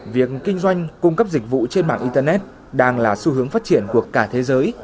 việc kinh doanh cung cấp dịch vụ trên mạng internet đang là xu hướng phát triển của cả thế giới